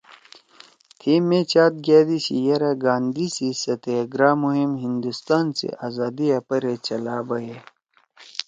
تھیئے مے چأد گأدی شی یرأ گاندھی سی ستیاگرا مہم ہندوستان سی آزادیآ پرَے چلا بَیئے